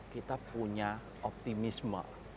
kita punya optimisme